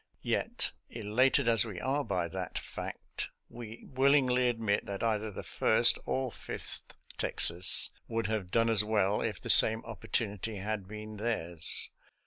Yet, elated as we are by that fact, we willingly admit that either the First or Fifth Texas would have done as well if the same opportunity had been theirs.